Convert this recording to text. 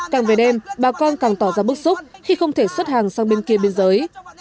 càng về đêm bà con càng tỏ ra bức xúc khi không thể xuất hàng sang bên kia biên giới